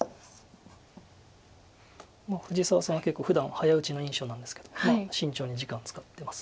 藤沢さんは結構ふだんは早打ちの印象なんですけど慎重に時間を使ってます。